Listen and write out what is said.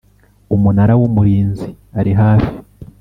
Umunara w Umurinzi ari hafi